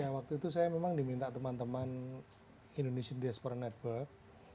waktu itu saya memang diminta teman teman indonesian diaspora network